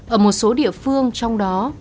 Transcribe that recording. ở một số địa phương trong đó